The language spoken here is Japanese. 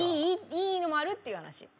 いいのもあるっていう話。